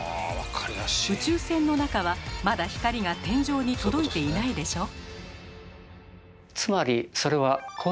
宇宙船の中はまだ光が天井に届いていないでしょう？